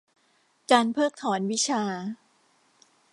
การเพิกถอนวิชา